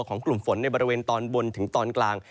กลุ่มฝนในบริเวณตอนบนถึงตอนกลาง